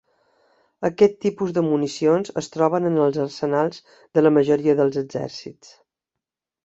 Aquest tipus de municions es troben en els arsenals de la majoria dels exèrcits.